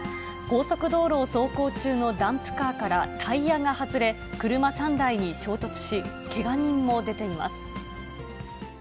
高速道路を走行中のダンプカーからタイヤが外れ、車３台に衝突し、けが人も出ています。